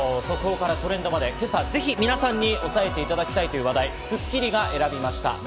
速報からトレンドまで今朝、みなさんにぜひ押さえておいていただきたい話題を『スッキリ』が選びました。